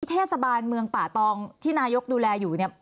เทศบาลเมืองป่าตองที่นายกดูแลอยู่เนี่ย